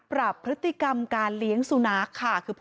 ยังอยากจะเลี้ยงต่อไหมหรือว่า